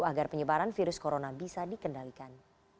agar penyebaran virus corona bisa dikendalikan